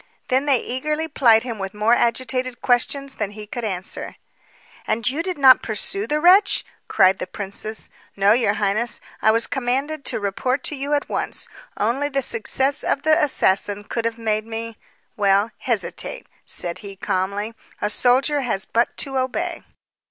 Then they eagerly plied him with more agitated questions than he could answer. "And did you not pursue the wretch?" cried the princess. "No, your highness. I was commanded to report to you at once. Only the success of the assassin could have made me well, hesitate," said he calmly. "A soldier has but to obey."